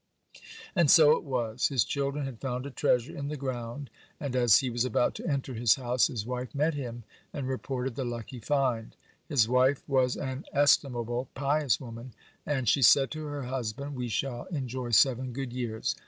And so it was. His children had found a treasure in the ground, and, as he was about to enter his house, his wife met him and reported the lucky find. His wife was an estimable, pious woman, and she said to her husband: "We shall enjoy seven good years.